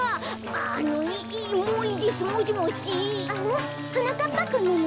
あらはなかっぱくんなの？